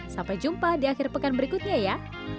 sampai jumpa di akhir pekan berikutnya ya